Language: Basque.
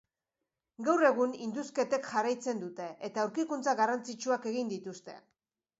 Gaur egun, indusketek jarraitzen dute eta aurkikuntza garrantzitsuak egin dituzte.